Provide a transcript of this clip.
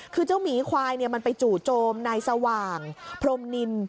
คือเจ้าหมีควายมันไปจู่โจมนายสว่างพรมนิน